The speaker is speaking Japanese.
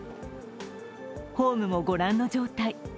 ホームも御覧の状態。